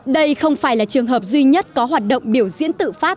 đây không phải là trường hợp duy nhất có hoạt động biểu diễn tự phát